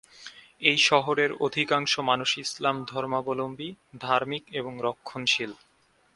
এই শহরের অধিকাংশ মানুষ ইসলাম ধর্মাবলম্বী, ধার্মিক এবং রক্ষণশীল।